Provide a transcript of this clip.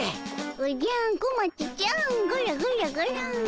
おじゃ小町ちゃんゴロゴロゴロ。